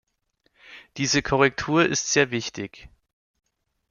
Diese Korrektur ist sehr wichtig.